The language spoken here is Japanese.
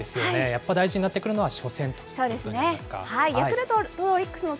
やっぱ大事になってくるのは、初戦ということになりますか？